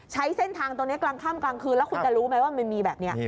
ใช้เส้นทางตรงนี้กลางค่ำกลางคืนแล้วคุณจะรู้ไหมว่ามันมีแบบนี้